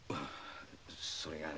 それがね。